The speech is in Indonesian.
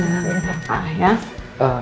gak apa apa ya